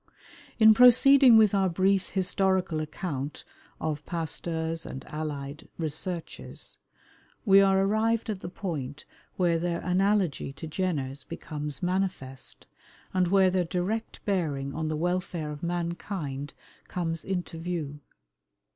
In proceeding with our brief historical account of Pasteur's and allied researches, we are arrived at the point where their analogy to Jenner's becomes manifest, and where their direct bearing on the welfare of mankind comes into view.